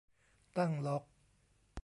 ตั้งล็อก